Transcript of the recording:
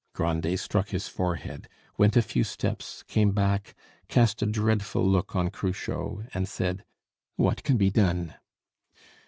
Grandet struck his forehead, went a few steps, came back, cast a dreadful look on Cruchot, and said, "What can be done?"